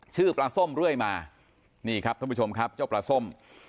ชื่อปลาส้มเรื่อยมานี่ครับท่านผู้ชมครับเจ้าปลาส้ม